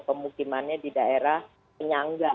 pemukimannya di daerah penyangga